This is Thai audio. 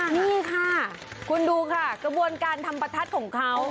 นี่ค่ะคุณดูค่ะกระบวนการทำประทัดของเขา